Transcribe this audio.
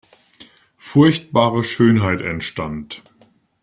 Furchtbare Schönheit entstand.